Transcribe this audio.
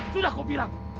sudah aku bilang